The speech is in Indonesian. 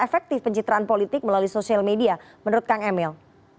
efektif pencitraan politik melalui sosial media menurut kang emil